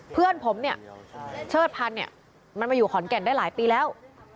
เพื่อนผมเชิดพันธุ์มาอยู่หอนแก่นได้หลายปีแล้ว